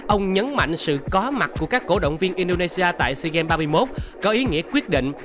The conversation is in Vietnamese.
ông nhấn mạnh sự có mặt của các cổ động viên indonesia tại sea games ba mươi một có ý nghĩa quyết định